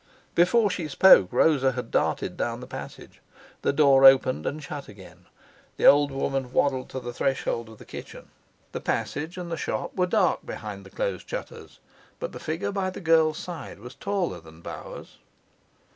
Before she spoke Rosa had darted down the passage. The door opened and shut again. The old woman waddled to the threshold of the kitchen. The passage and the shop were dark behind the closed shutters, but the figure by the girl's side was taller than Bauer's.